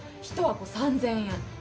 一箱３，０００円。